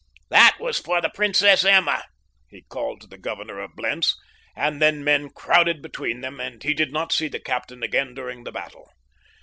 "That for the Princess Emma," he called to the governor of Blentz, and then men crowded between them and he did not see the captain again during the battle.